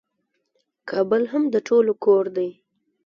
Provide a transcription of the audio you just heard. کابل هم د ټولو کور دی.